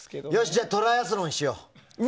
じゃあトライアスロンしよう。